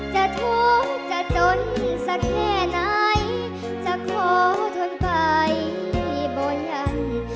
จะทุกข์จะจนสักแค่ไหนจะขอทนไปบ่ยัน